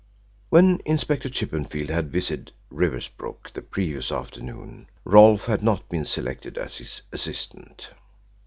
When Inspector Chippenfield had visited Riversbrook the previous afternoon, Rolfe had not been selected as his assistant.